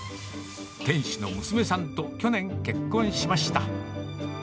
店主の娘さんと去年結婚しました。